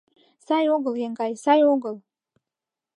Сай огыл, еҥгай, сай огыл.